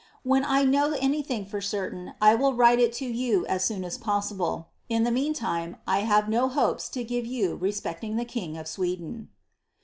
When 1 know anything for certain, 1 will write it to you as soon as possible ; in the meantime, 1 have no hopes to give you respecting tlie king of Sweden."